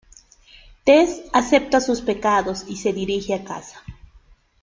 Tess acepta sus pecados y se dirige a casa.